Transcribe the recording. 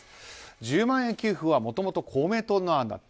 １０万円給付はもともと公明党の案だった。